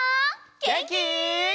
げんき？